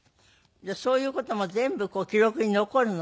そういう事も全部記録に残るのね。